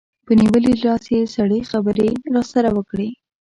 په نیولي لاس یې سړې خبرې راسره وکړې.